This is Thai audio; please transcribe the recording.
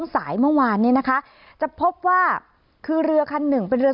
สายเมื่อวานนี้นะคะจะพบว่าคือเรือคันหนึ่งเป็นเรือ